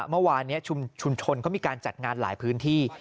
เมื่อวานชุมชนเขามีการจัดงานหลายพื้นที่